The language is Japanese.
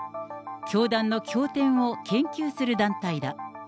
教団の教典を研究する団体だ。